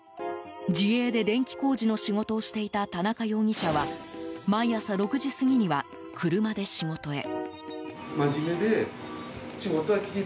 自営で電気工事の仕事をしていた田中容疑者は毎朝６時過ぎには車で仕事へ。